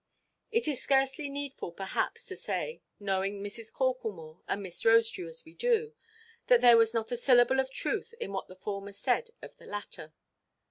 It is scarcely needful, perhaps, to say, knowing Mrs. Corklemore and Miss Rosedew as we do, that there was not a syllable of truth in what the former said of the latter.